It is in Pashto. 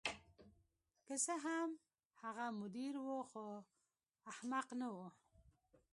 که څه هم هغه مدیر و خو احمق نه و